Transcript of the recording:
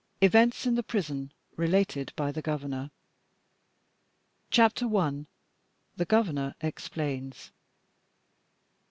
EVENTS IN THE PRISON, RELATED BY THE GOVERNOR. CHAPTER I. THE GOVERNOR EXPLAINS.